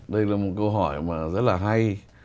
đây là một câu hỏi mà rất là hay